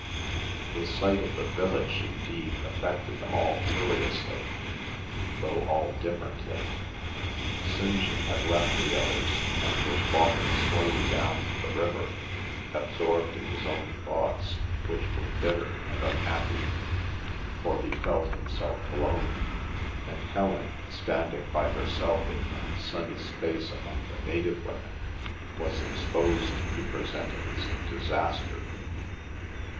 The sight of the village indeed affected them all curiously though all differently. St. John had left the others and was walking slowly down to the river, absorbed in his own thoughts, which were bitter and unhappy, for he felt himself alone; and Helen, standing by herself in the sunny space among the native women, was exposed to presentiments of disaster.